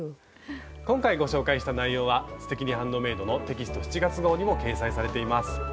今回ご紹介した内容は「すてきにハンドメイド」のテキスト７月号にも掲載されています。